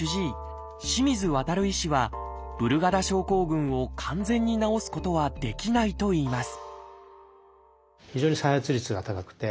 清水渉医師はブルガダ症候群を完全に治すことはできないといいます